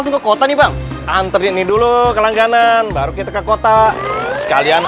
sampai jumpa di video selanjutnya